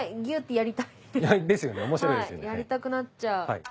やりたくなっちゃう。